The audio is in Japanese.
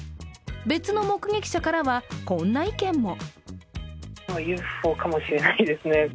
別の目撃者からはこんな意見も。